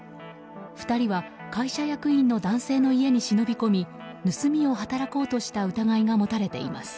２人は会社役員の男性の家に忍び込み盗みを働こうとした疑いが持たれています。